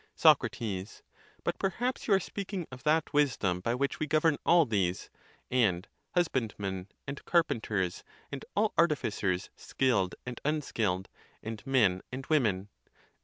Soc. But perhaps you are speaking of that wisdom, by which we govern all these, and husbandmen, and carpenters, and all artificers skilled and unskilled, and men and women.